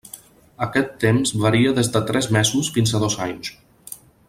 Aquest temps varia des de tres mesos fins a dos anys.